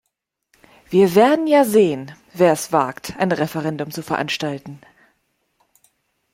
Wir werden ja sehen, wer es wagt, ein Referendum zu veranstalten.